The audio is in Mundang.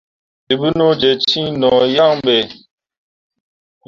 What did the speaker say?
Dabonoje cin no yan be.